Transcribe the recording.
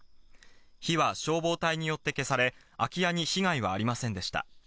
火は消防隊によって消され、空き家に被害はありませんでした。